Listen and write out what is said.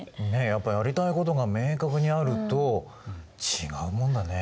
やっぱりやりたいことが明確にあると違うもんだね。